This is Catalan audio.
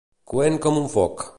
Coent com un foc.